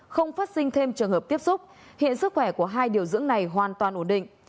không phát sinh thêm trường hợp tiếp xúc hiện sức khỏe của hai điều dưỡng này hoàn toàn ổn định